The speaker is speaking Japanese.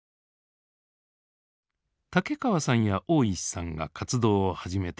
竹川さんや大石さんが活動を始めたころ